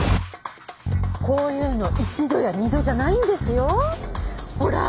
こういうの一度や二度じゃないんですよ。ほら！